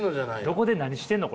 どこで何してんの？